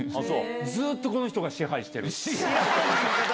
ずっとこの人が支配してる。